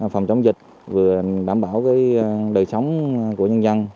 phòng chống dịch vừa đảm bảo đời sống của nhân dân